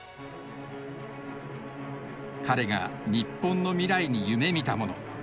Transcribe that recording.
彼が日本の未来に夢みたもの。